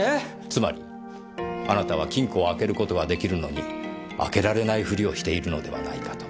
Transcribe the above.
つまりあなたは金庫を開けることが出来るのに開けられないフリをしているのではないかと。